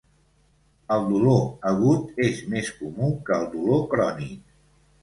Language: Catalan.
El dolor agut és més comú que el dolor crònic.